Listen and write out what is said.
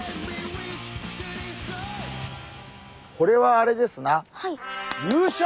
これはあれですな優勝！